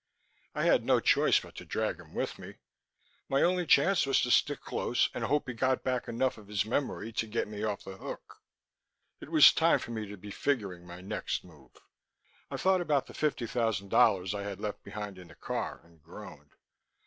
I had no choice but to drag him with me; my only chance was to stick close and hope he got back enough of his memory to get me off the hook. It was time for me to be figuring my next move. I thought about the fifty thousand dollars I had left behind in the car, and groaned.